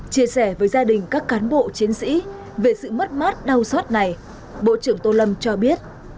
chia sẻ với gia đình các cán bộ chiến sĩ về sự mất mát đau xót này bộ trưởng tô lâm cho biết